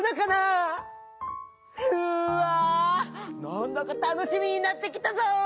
なんだかたのしみになってきたぞ！